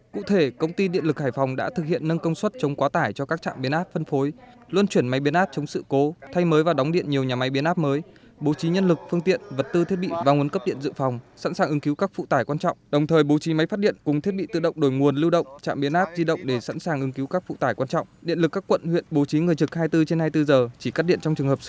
cụ thể công ty điện lực hải phòng đã thực hiện nâng công suất chống quá tải cho các trạm biến áp phân phối luân chuyển máy biến áp chống sự cố thay mới và đóng điện nhiều nhà máy biến áp mới bố trí nhân lực phương tiện vật tư thiết bị và nguồn cấp điện dự phòng sẵn sàng ứng cứu các phụ tải quan trọng đồng thời bố trí máy phát điện cùng thiết bị tự động đổi nguồn lưu động trạm biến áp di động để sẵn sàng ứng cứu các phụ tải quan trọng điện lực các quận huyện bố trí người trực hai mươi bốn trên hai mươi bốn giờ chỉ cắt điện